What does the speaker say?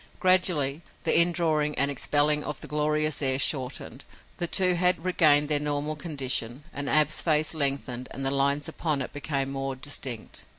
Gradually, the indrawing and expelling of the glorious air shortened. The two had regained their normal condition and Ab's face lengthened and the lines upon it became more distinct.